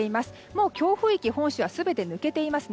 もう強風域は本州は全て抜けています。